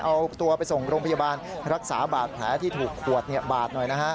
เอาตัวไปส่งโรงพยาบาลรักษาบาดแผลที่ถูกขวดบาดหน่อยนะฮะ